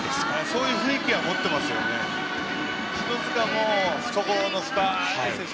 そういう雰囲気持っていますよね。